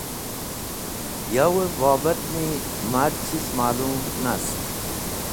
Yawẽ bobatni mar chiz malũm nast.